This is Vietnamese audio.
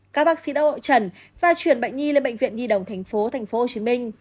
các bác sĩ đã hội trần và chuyển bệnh nhi lên bệnh viện nhi đồng tp hcm